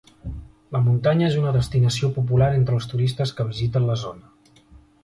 La muntanya és una destinació popular entre els turistes que visiten la zona.